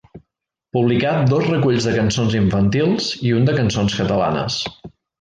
Publicà dos reculls de cançons infantils i un de cançons catalanes.